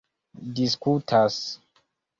diskutas